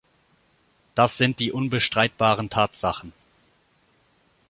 Das sind die unbestreitbaren Tatsachen.